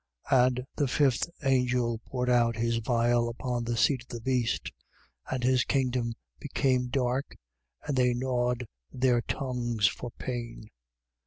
16:10. And the fifth angel poured out his vial upon the seat of the beast. And his kingdom became dark: and they gnawed their tongues for pain.